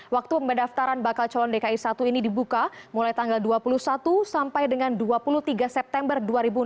waktu pendaftaran bakal calon dki satu ini dibuka mulai tanggal dua puluh satu sampai dengan dua puluh tiga september dua ribu enam belas